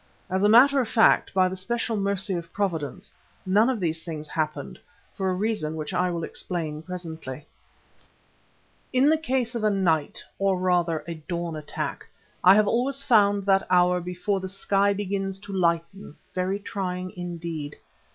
As a matter of fact, by the special mercy of Providence, none of these things happened, for a reason which I will explain presently. In the case of a night, or rather a dawn attack, I have always found that hour before the sky begins to lighten very trying indeed.